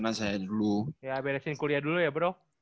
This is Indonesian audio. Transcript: ya belesin kuliah dulu ya bro